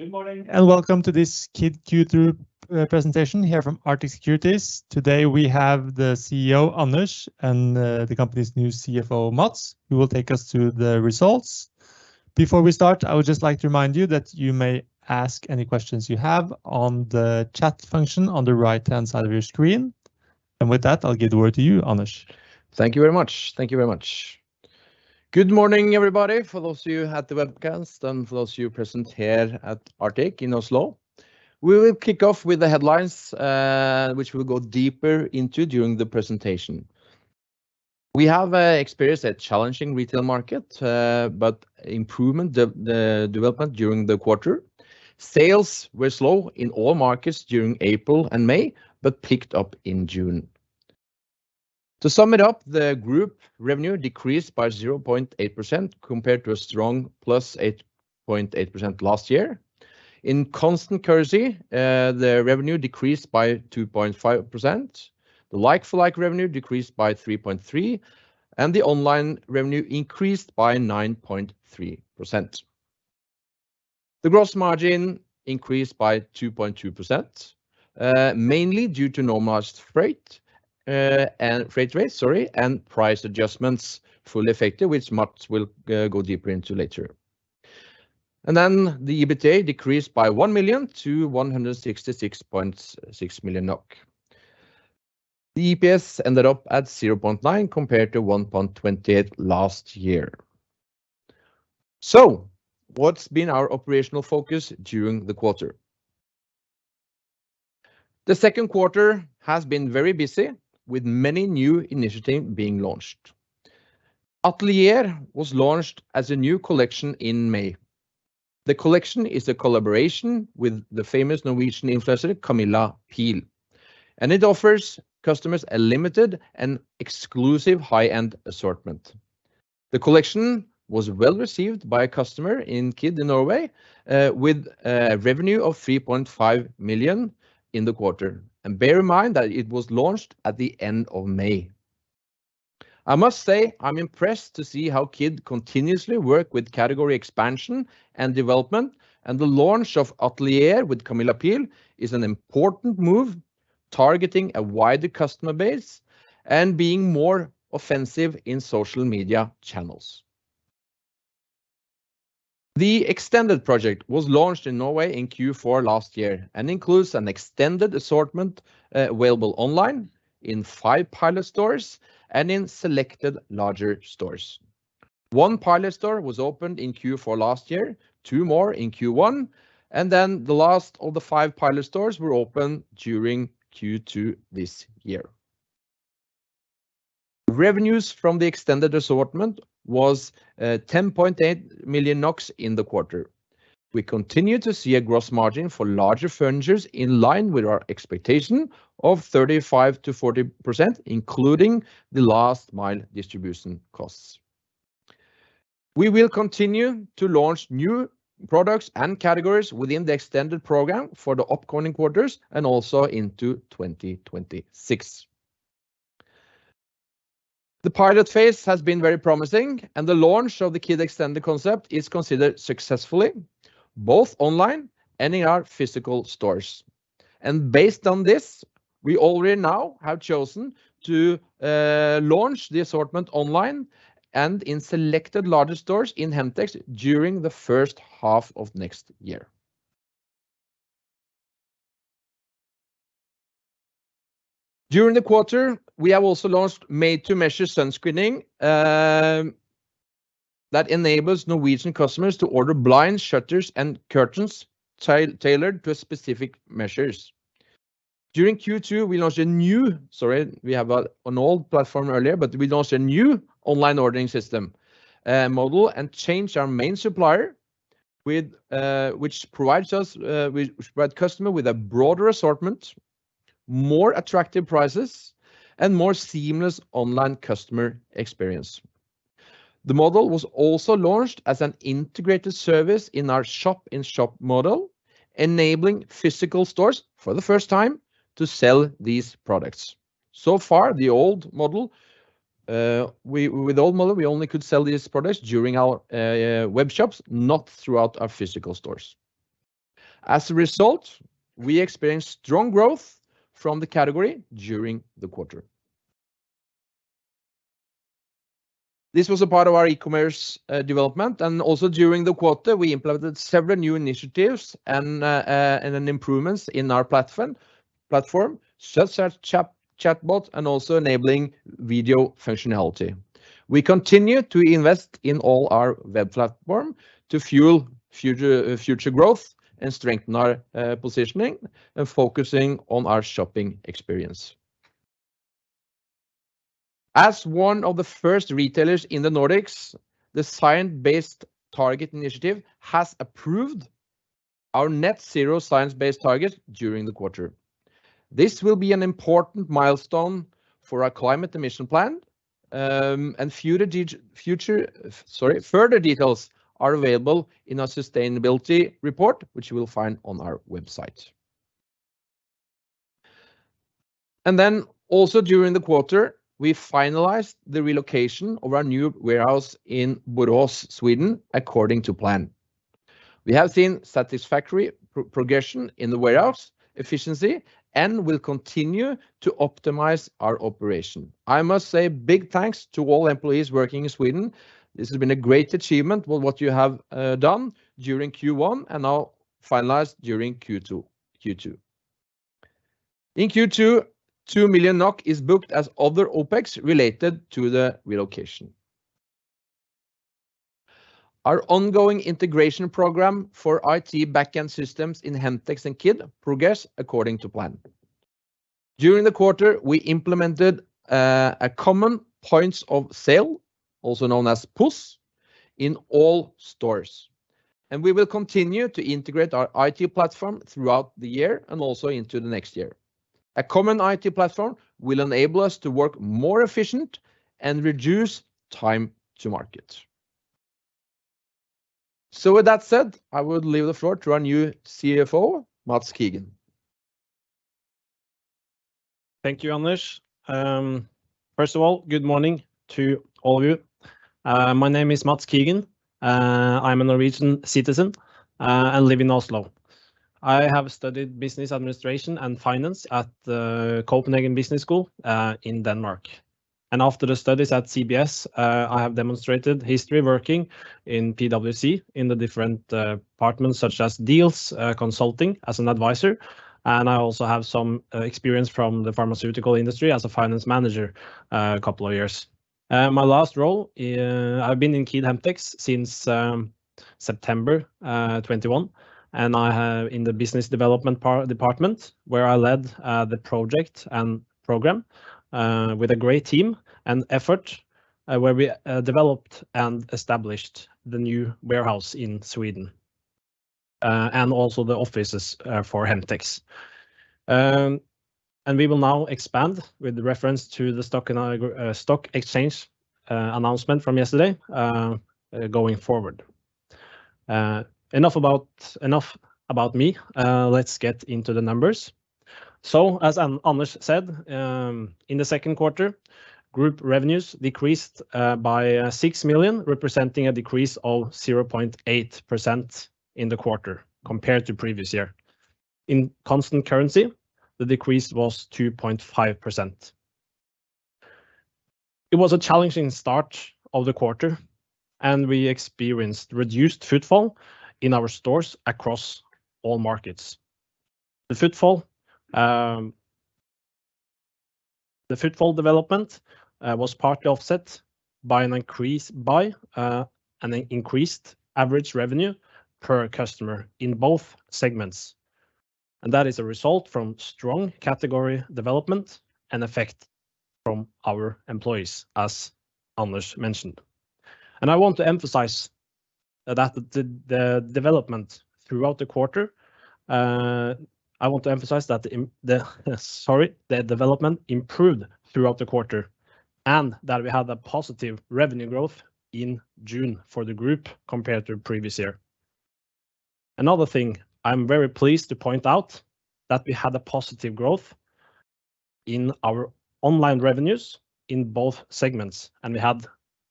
Good morning, and welcome to this Kid Q2 presentation here from Arctic Securities. Today, we have the CEO, Anders, and the company's new CFO, Mads, who will take us through the results. Before we start, I would just like to remind you that you may ask any questions you have on the chat function on the right-hand side of your screen. With that, I'll give the word to you, Anders. Thank you very much. Thank you very much. Good morning, everybody, for those of you at the webcast and for those of you present here at Arctic in Oslo. We will kick off with the headlines, which we'll go deeper into during the presentation. We have experienced a challenging retail market, but improvement the, the development during the quarter. Sales were slow in all markets during April and May, but picked up in June. To sum it up, the group revenue decreased by 0.8%, compared to a strong +8.8% last year. In constant currency, the revenue decreased by 2.5%. The like-for-like revenue decreased by 3.3, and the online revenue increased by 9.3%. The gross margin increased by 2.2%, mainly due to normal freight and freight rates, sorry, and price adjustments fully effective, which Mads will go deeper into later. And then the EBITDA decreased by 1 million NOK to 166.6 million NOK. The EPS ended up at 0.9, compared to 1.28 last year. So, what's been our operational focus during the quarter? The second quarter has been very busy, with many new initiatives being launched. Atelier was launched as a new collection in May. The collection is a collaboration with the famous Norwegian influencer, Camilla Pihl, and it offers customers a limited and exclusive high-end assortment. The collection was well-received by a customer in Kid, in Norway, with a revenue of 3.5 million in the quarter, and bear in mind that it was launched at the end of May. I must say I'm impressed to see how Kid continuously work with category expansion and development, and the launch of Atelier with Camilla Pihl is an important move, targeting a wider customer base and being more offensive in social media channels. The extended project was launched in Norway in Q4 last year and includes an extended assortment, available online in five pilot stores and in selected larger stores. One pilot store was opened in Q4 last year, two more in Q1, and then the last of the five pilot stores were opened during Q2 this year. Revenues from the extended assortment was, ten point eight million NOK in the quarter. We continue to see a gross margin for larger furnitures in line with our expectation of 35%-40%, including the last mile distribution costs. We will continue to launch new products and categories within the extended program for the upcoming quarters and also into 2026. The pilot phase has been very promising, and the launch of the Kid Extended concept is considered successfully, both online and in our physical stores. Based on this, we already now have chosen to launch the assortment online and in selected larger stores in Hemtex during the first half of next year. During the quarter, we have also launched made-to-measure sun screening that enables Norwegian customers to order blinds, shutters, and curtains tailored to specific measures. During Q2, we launched a new... Sorry, we have an old platform earlier, but we launched a new online ordering system, model, and changed our main supplier with which provides us, which provide customer with a broader assortment, more attractive prices, and more seamless online customer experience. The model was also launched as an integrated service in our shop-in-shop model, enabling physical stores, for the first time, to sell these products. So far, with old model, we only could sell these products during our web shops, not throughout our physical stores. As a result, we experienced strong growth from the category during the quarter. This was a part of our e-commerce development, and also during the quarter, we implemented several new initiatives and improvements in our platform, such as chat, chatbot, and also enabling video functionality. We continue to invest in all our web platform to fuel future growth and strengthen our positioning and focusing on our shopping experience. As one of the first retailers in the Nordics, the Science Based Targets initiative has approved our net zero science-based target during the quarter. This will be an important milestone for our climate emission plan, and future... Sorry, further details are available in our sustainability report, which you will find on our website. And then also during the quarter, we finalized the relocation of our new warehouse in Borås, Sweden, according to plan. We have seen satisfactory progression in the warehouse efficiency and will continue to optimize our operation. I must say, big thanks to all employees working in Sweden. This has been a great achievement with what you have done during Q1 and now finalized during Q2. In Q2, 2 million NOK is booked as other OpEx related to the relocation. Our ongoing integration program for IT backend systems in Hemtex and Kid progress according to plan. During the quarter, we implemented a common points of sale, also known as POS, in all stores, and we will continue to integrate our IT platform throughout the year and also into the next year. A common IT platform will enable us to work more efficient and reduce time to market. So with that said, I will leave the floor to our new CFO, Mads Kigen. Thank you, Anders. First of all, good morning to all of you. My name is Mads Kigen. I'm a Norwegian citizen, and live in Oslo. I have studied business administration and finance at the Copenhagen Business School, in Denmark. And after the studies at CBS, I have demonstrated history working in PwC in the different departments, such as deals, consulting as an advisor, and I also have some experience from the pharmaceutical industry as a finance manager, a couple of years. My last role, I've been in Kid Hemtex since September 2021, and I have in the business development department, where I led the project and program with a great team and effort, where we developed and established the new warehouse in Sweden, and also the offices for Hemtex. And we will now expand with reference to the stock exchange announcement from yesterday, going forward. Enough about me. Let's get into the numbers. So as Anders said, in the second quarter, group revenues decreased by 6 million, representing a decrease of 0.8% in the quarter compared to previous year. In constant currency, the decrease was 2.5%. It was a challenging start of the quarter, and we experienced reduced footfall in our stores across all markets. The footfall development was partly offset by an increased average revenue per customer in both segments, and that is a result from strong category development and effect from our employees, as Anders mentioned. I want to emphasize that the development throughout the quarter. I want to emphasize that the development improved throughout the quarter, and that we had a positive revenue growth in June for the group, compared to the previous year. Another thing I'm very pleased to point out, that we had a positive growth in our online revenues in both segments, and we had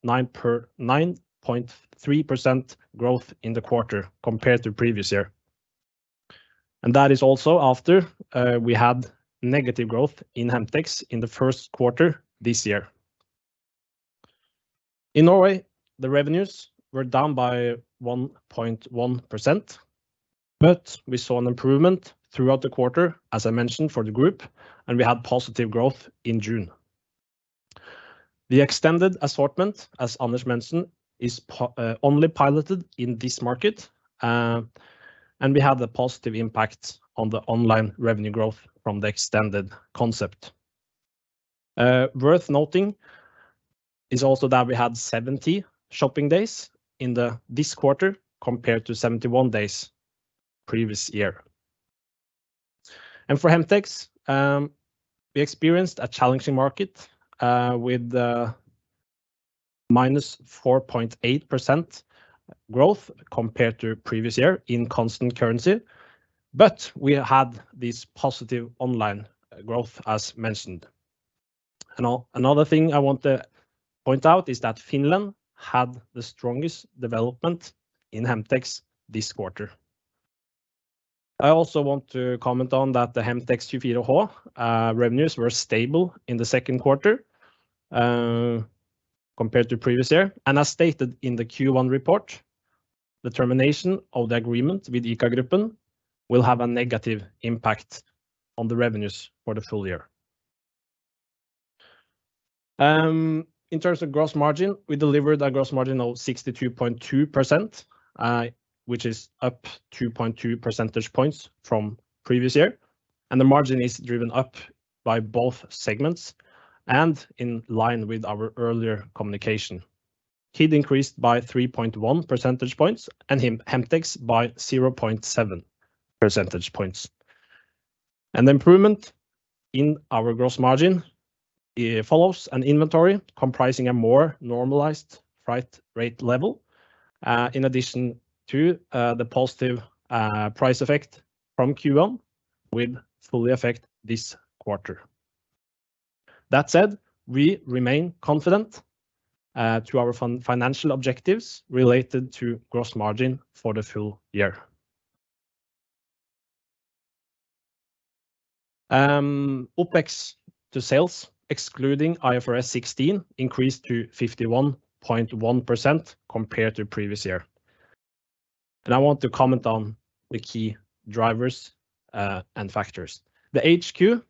9.3% growth in the quarter compared to the previous year. And that is also after we had negative growth in Hemtex in the first quarter this year. In Norway, the revenues were down by 1.1%, but we saw an improvement throughout the quarter, as I mentioned, for the group, and we had positive growth in June. The extended assortment, as Anders mentioned, is only piloted in this market, and we had a positive impact on the online revenue growth from the extended concept. Worth noting is also that we had 70 shopping days in this quarter, compared to 71 days previous year. For Hemtex, we experienced a challenging market, with -4.8% growth compared to the previous year in constant currency, but we had this positive online growth, as mentioned. Another thing I want to point out is that Finland had the strongest development in Hemtex this quarter. I also want to comment on that the Hemtex 24h revenues were stable in the second quarter, compared to previous year. As stated in the Q1 report, the termination of the agreement with ICA Group will have a negative impact on the revenues for the full year. In terms of gross margin, we delivered a gross margin of 62.2%, which is up 2.2 percentage points from previous year, and the margin is driven up by both segments and in line with our earlier communication. Kid increased by 3.1 percentage points, and Hemtex by 0.7 percentage points. The improvement in our gross margin. It follows an inventory comprising a more normalized freight rate level, in addition to, the positive, price effect from Q1 will fully affect this quarter. That said, we remain confident, to our financial objectives related to gross margin for the full year. OpEx to sales, excluding IFRS 16, increased to 51.1% compared to previous year. And I want to comment on the key drivers and factors. The HQ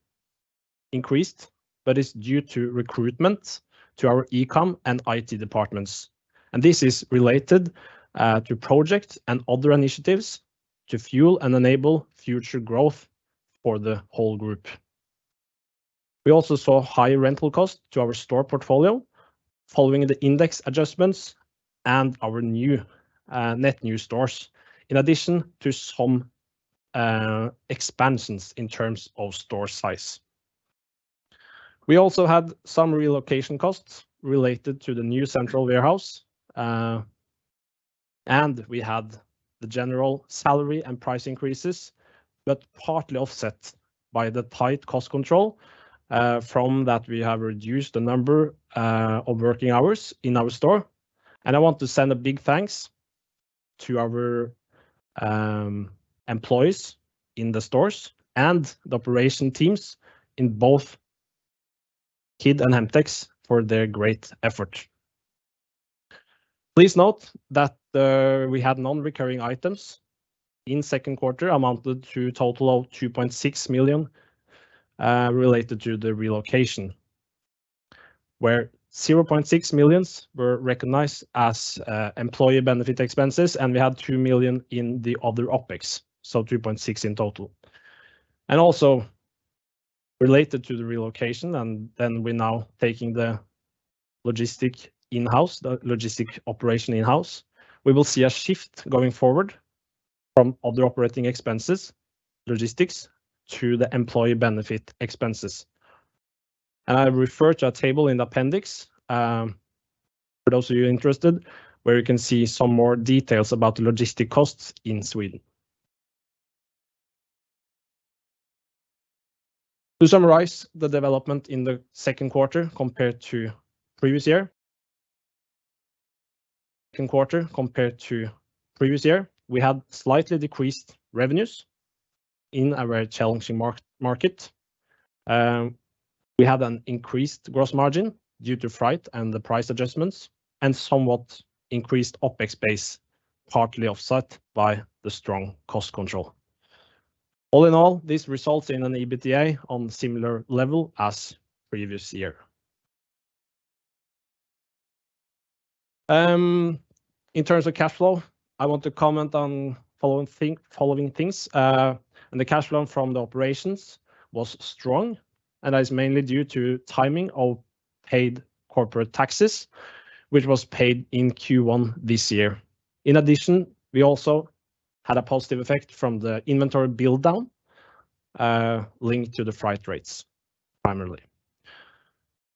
increased, but it's due to recruitment to our e-com and IT departments, and this is related to projects and other initiatives to fuel and enable future growth for the whole group. We also saw higher rental costs to our store portfolio, following the index adjustments and our new net new stores, in addition to some expansions in terms of store size. We also had some relocation costs related to the new central warehouse, and we had the general salary and price increases, but partly offset by the tight cost control. From that, we have reduced the number of working hours in our store. I want to send a big thanks to our employees in the stores and the operation teams in both Kid and Hemtex for their great effort. Please note that we had non-recurring items in second quarter, amounted to a total of 2.6 million related to the relocation, where 0.6 million were recognized as employee benefit expenses, and we had 2 million in the other OPEX, so 2.6 million in total. Also related to the relocation, and then we're now taking the logistic in-house, the logistic operation in-house. We will see a shift going forward from other operating expenses, logistics, to the employee benefit expenses. I refer to a table in the appendix, for those of you interested, where you can see some more details about the logistic costs in Sweden. To summarize the development in the second quarter compared to previous year, we had slightly decreased revenues in a very challenging market. We had an increased gross margin due to freight and the price adjustments, and somewhat increased OpEx base, partly offset by the strong cost control. All in all, this results in an EBITDA on similar level as previous year. In terms of cash flow, I want to comment on following things. The cash flow from the operations was strong and is mainly due to timing of paid corporate taxes, which was paid in Q1 this year. In addition, we also had a positive effect from the inventory build-down, linked to the freight rates, primarily.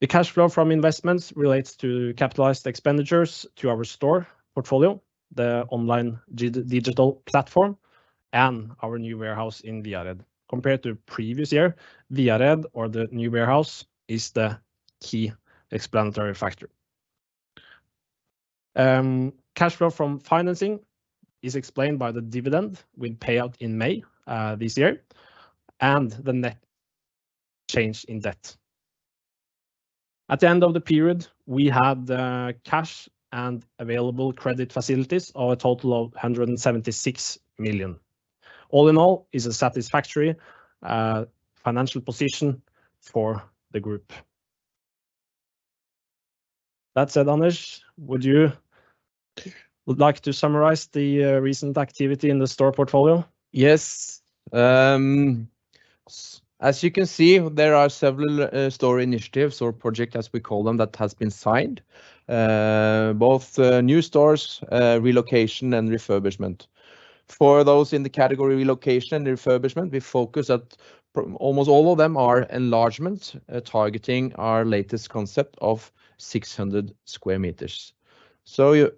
The cash flow from investments relates to capitalized expenditures to our store portfolio, the online digital platform, and our new warehouse in Viared. Compared to previous year, Viared, or the new warehouse, is the key explanatory factor. Cash flow from financing is explained by the dividend with payout in May this year, and the net change in debt. At the end of the period, we had the cash and available credit facilities of a total of 176 million. All in all, it's a satisfactory financial position for the group. That said, Anders, would you would like to summarize the recent activity in the store portfolio? Yes. As you can see, there are several store initiatives, or project as we call them, that has been signed. Both new stores, relocation, and refurbishment. For those in the category relocation and refurbishment, we focus at... Almost all of them are enlargements targeting our latest concept of 600 square meters. So,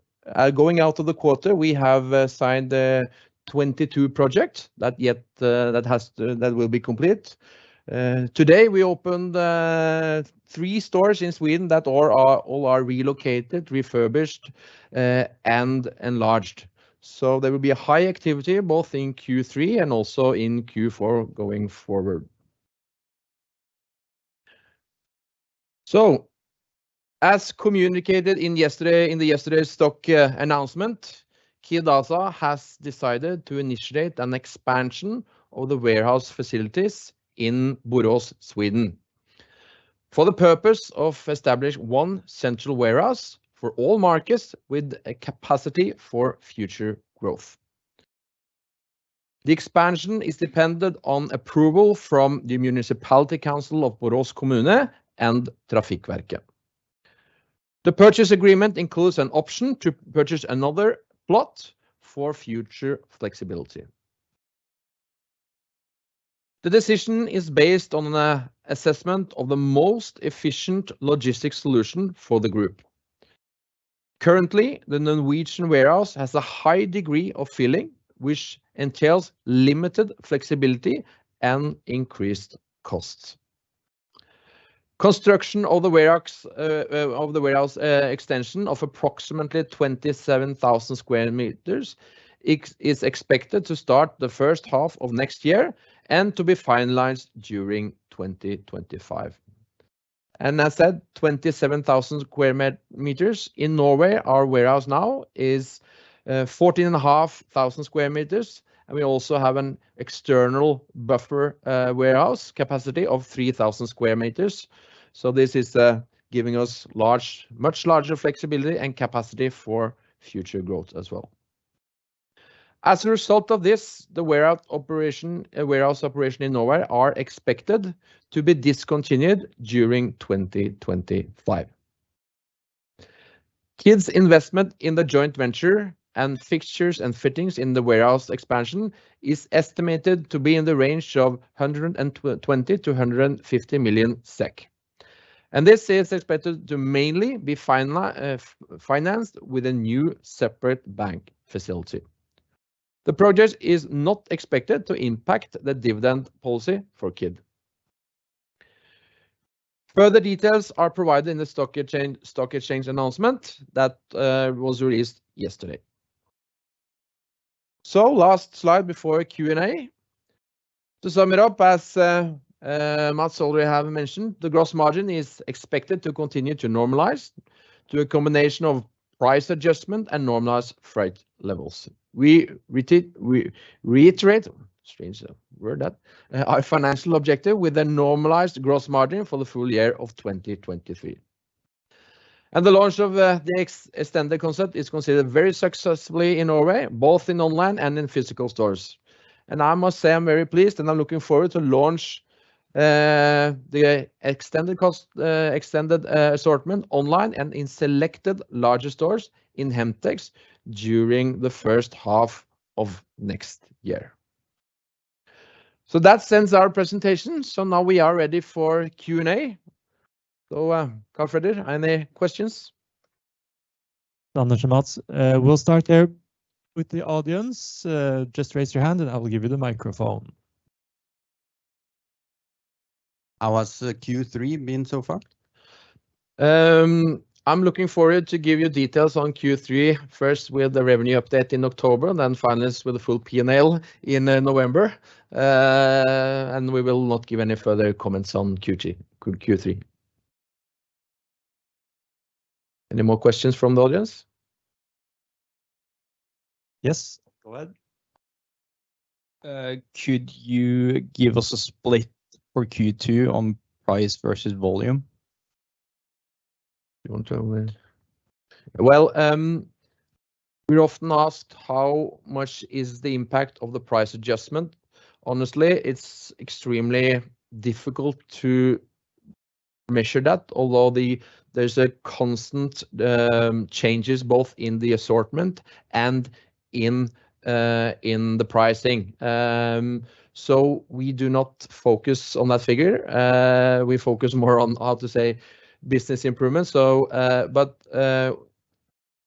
going out of the quarter, we have signed 22 projects that will be complete. Today, we opened 3 stores in Sweden that all are, all are relocated, refurbished, and enlarged. So there will be a high activity, both in Q3 and also in Q4, going forward. So, as communicated in yesterday's stock announcement, Kid ASA has decided to initiate an expansion of the warehouse facilities in Borås, Sweden, for the purpose of establishing one central warehouse for all markets with a capacity for future growth. The expansion is dependent on approval from the Municipality Council of Borås kommun and Trafikverket. The purchase agreement includes an option to purchase another plot for future flexibility. The decision is based on an assessment of the most efficient logistics solution for the group. Currently, the Norwegian warehouse has a high degree of filling, which entails limited flexibility and increased costs. Construction of the warehouse extension of approximately 27,000 square meters is expected to start the first half of next year, and to be finalized during 2025. And that's at 27,000 square meters. In Norway, our warehouse now is 14,500 square meters, and we also have an external buffer warehouse capacity of 3,000 square meters. So this is giving us much larger flexibility and capacity for future growth as well. As a result of this, the warehouse operation in Norway are expected to be discontinued during 2025. Kid's investment in the joint venture and fixtures and fittings in the warehouse expansion is estimated to be in the range of 120-150 million SEK. And this is expected to mainly be financed with a new separate bank facility. The project is not expected to impact the dividend policy for Kid. Further details are provided in the stock exchange announcement that was released yesterday. So last slide before Q&A. To sum it up, as Mads already have mentioned, the gross margin is expected to continue to normalize to a combination of price adjustment and normalized freight levels. We reiterate, strange word that, our financial objective with a normalized gross margin for the full year of 2023. The launch of the extended concept is considered very successfully in Norway, both in online and in physical stores. I must say, I'm very pleased, and I'm looking forward to launch the extended assortment online and in selected larger stores in Hemtex during the first half of next year. So that ends our presentation, so now we are ready for Q&A. Carl Freddy, any questions? Under to Mads. We'll start here with the audience. Just raise your hand and I will give you the microphone. How has Q3 been so far? I'm looking forward to give you details on Q3, first with the revenue update in October, then finance with the full P&L in November. We will not give any further comments on Q3. Any more questions from the audience? Yes, go ahead. Could you give us a split for Q2 on price versus volume? Well, we're often asked, how much is the impact of the price adjustment? Honestly, it's extremely difficult to measure that, although there's a constant changes both in the assortment and in the pricing. So we do not focus on that figure. We focus more on how to say, business improvement, so, but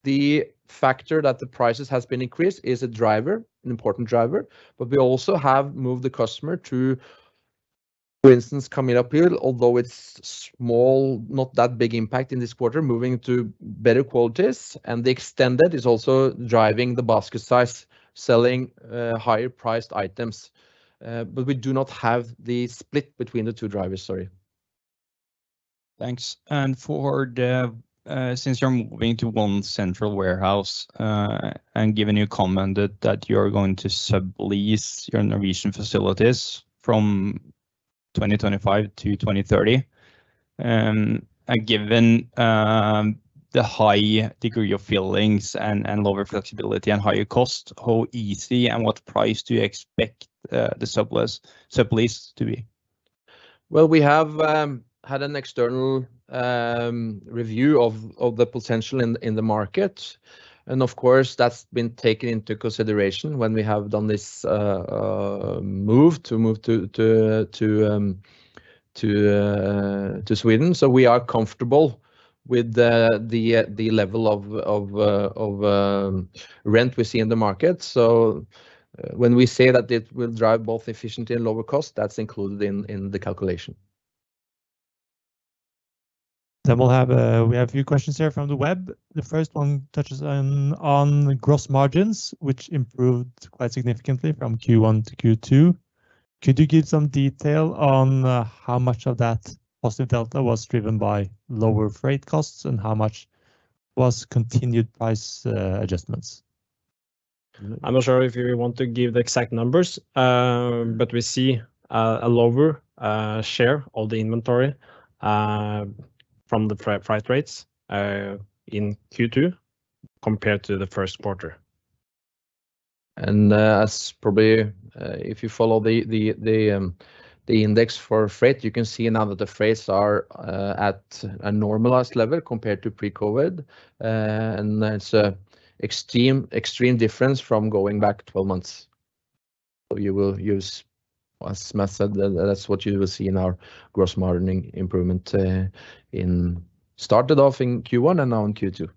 the factor that the prices has been increased is a driver, an important driver, but we also have moved the customer to, for instance, coming up here, although it's small, not that big impact in this quarter, moving to better qualities, and the extended is also driving the basket size, selling higher priced items. But we do not have the split between the two drivers, sorry. Thanks. Since you're moving to one central warehouse, and given you commented that you are going to sublease your Norwegian facilities from 2025-2030, and given the high degree of fillings and lower flexibility and higher cost, how easy and what price do you expect the sublease to be? Well, we have had an external review of the potential in the market, and of course, that's been taken into consideration when we have done this move to Sweden. So we are comfortable with the level of rent we see in the market. So when we say that it will drive both efficiency and lower cost, that's included in the calculation. Then we'll have a few questions here from the web. The first one touches on gross margins, which improved quite significantly from Q1-Q2. Could you give some detail on how much of that positive delta was driven by lower freight costs, and how much was continued price adjustments? I'm not sure if you want to give the exact numbers, but we see a lower share of the inventory from the freight rates in Q2 compared to the first quarter. And, as probably, if you follow the index for freight, you can see now that the freights are at a normalized level compared to pre-COVID. And it's an extreme, extreme difference from going back 12 months. So you will use, as Mads said, that's what you will see in our gross margin improvement, in started off in Q1 and now in Q2.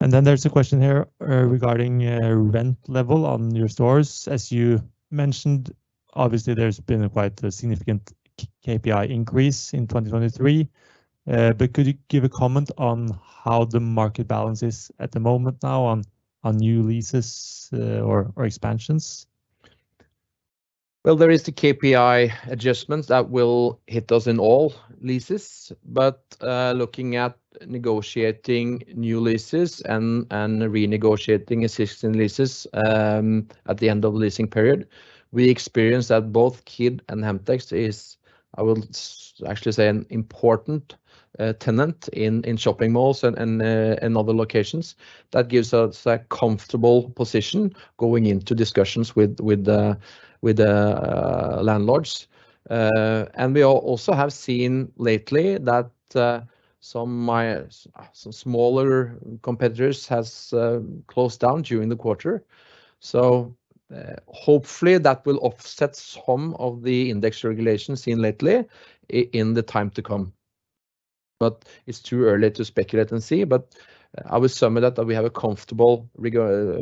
Then there's a question here regarding rent level on your stores. As you mentioned, obviously, there's been quite a significant KPI increase in 2023. But could you give a comment on how the market balance is at the moment now on new leases or expansions? Well, there is the KPI adjustments that will hit us in all leases. But, looking at negotiating new leases and renegotiating existing leases, at the end of the leasing period, we experienced that both Kid and Hemtex is, I will actually say, an important tenant in shopping malls and other locations. That gives us a comfortable position going into discussions with the landlords. And we also have seen lately that some smaller competitors has closed down during the quarter. So, hopefully, that will offset some of the index regulations seen lately in the time to come. But it's too early to speculate and see, but I will sum it up that we have a comfortable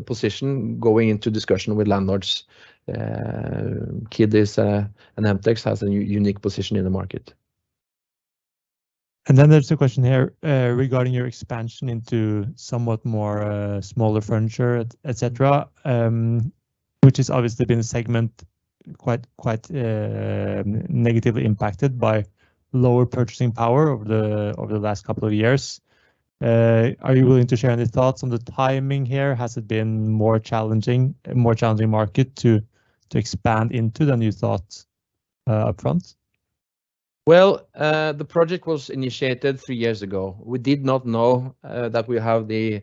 position going into discussion with landlords. Kid is, and Hemtex has a unique position in the market. Then there's a question here regarding your expansion into somewhat more smaller furniture, et cetera, which has obviously been a segment quite negatively impacted by lower purchasing power over the last couple of years. Are you willing to share any thoughts on the timing here? Has it been more challenging, a more challenging market to expand into the new thoughts upfront? Well, the project was initiated three years ago. We did not know that we have the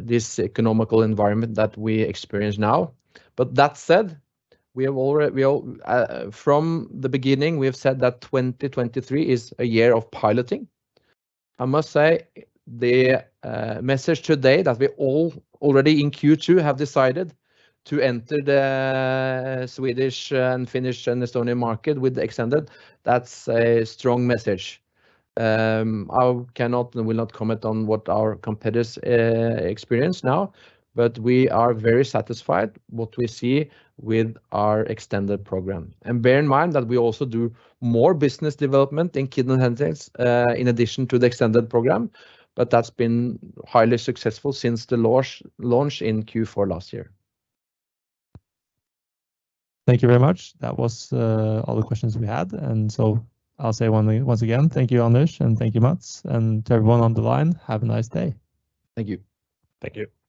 this economic environment that we experience now. But that said, we have already... We from the beginning, we have said that 2023 is a year of piloting. I must say, the message today that we all already in Q2 have decided to enter the Swedish and Finnish and Estonian market with the extended, that's a strong message. I cannot and will not comment on what our competitors experience now, but we are very satisfied what we see with our extended program. And bear in mind that we also do more business development in Kid and Hemtex in addition to the extended program, but that's been highly successful since the launch launch in Q4 last year. Thank you very much. That was all the questions we had, and so I'll say one thing, once again, thank you, Anders, and thank you, Mads, and to everyone on the line, have a nice day. Thank you. Thank you.